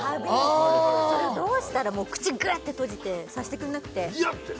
それをどうしたら口グッて閉じてさせてくれなくて嫌って？